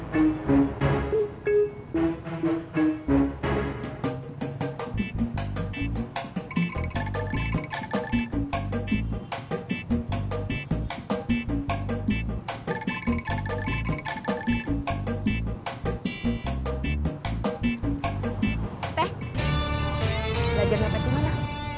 teg belajar dapat kemana